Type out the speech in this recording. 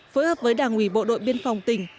phối hợp với đảng ủy bộ đội biên phòng tỉnh